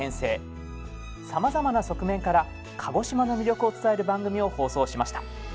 さまざまな側面から鹿児島の魅力を伝える番組を放送しました。